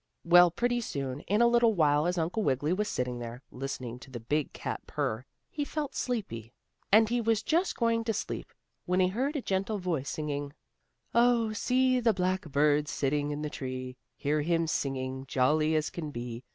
Well, pretty soon, in a little while, as Uncle Wiggily was sitting there, listening to the big cat purr, he felt sleepy, and he was just going to sleep, when he heard a gentle voice singing: "Oh, see the blackbird, sitting in the tree, Hear him singing, jolly as can be.